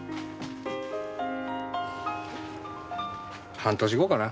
半年後かな。